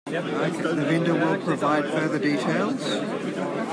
The vendor will provide further details.